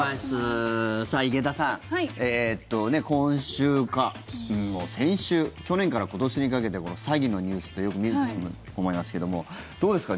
井桁さん、今週か先週去年から今年にかけてこの詐欺のニュースってよく見ると思いますけどもどうですか？